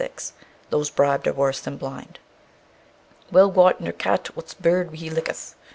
Those bribed are worse than blind. "_Well wots the cat whose beard she licketh.